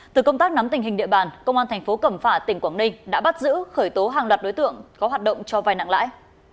từ công tác nắm tình hình địa bàn công an thành phố cẩm phả tỉnh quảng ninh đã bắt giữ khởi tố hàng loạt đối tượng có hoạt động cho vai nặng lãi